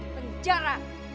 akan saya laporkan ke polisi